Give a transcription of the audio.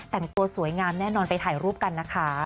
แต่งตัวสวยงามแน่นอนไปถ่ายรูปกันนะคะ